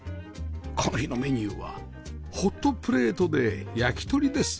この日のメニューはホットプレートで焼き鳥です